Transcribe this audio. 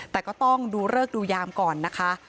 แต่ก็ต้องดูเลิกดูยามก่อนนะคะ